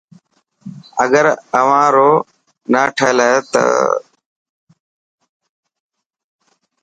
اگر اوهان رون نه ٺهيل هي ته.